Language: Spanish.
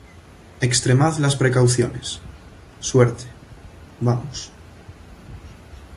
extremad las precauciones. suerte, vamos.